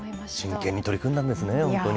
真剣に取り組んだんですね、本当に。